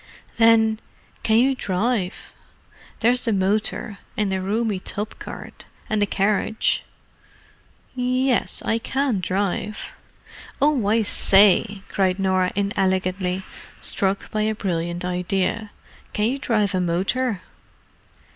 "Then, can you drive? There's the motor, and a roomy tub cart, and the carriage." "Yes—I can drive." "Oh, I say!" cried Norah inelegantly, struck by a brilliant idea. "Can you drive a motor?"